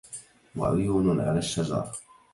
وعيون على الشجر